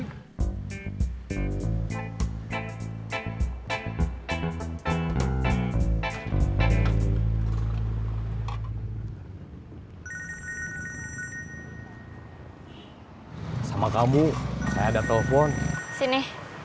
hai sama kamu saya ada telepon sini